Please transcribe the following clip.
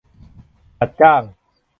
จัดจ้าง